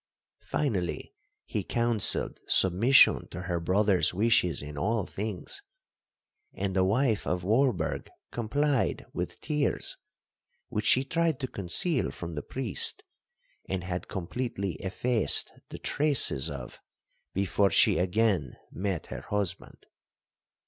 Finally, he counselled submission to her brother's wishes in all things,—and the wife of Walberg complied with tears, which she tried to conceal from the priest, and had completely effaced the traces of before she again met her husband.